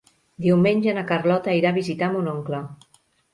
Diumenge na Carlota irà a visitar mon oncle.